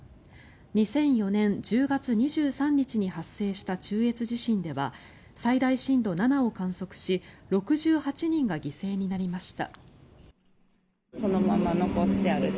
２００４年１０月２３日に発生した中越地震では最大震度７を観測し６８人が犠牲になりました。